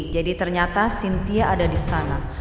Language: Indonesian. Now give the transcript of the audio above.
jadi ternyata cynthia ada di sana